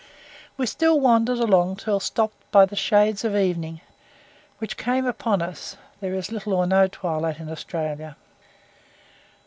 We still wandered along till stopped by the shades of evening, which came upon us there is little or no twilight in Australia.